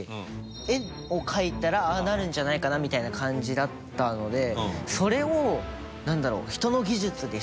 絵を描いたらああなるんじゃないかなみたいな感じだったのでそれをなんだろう。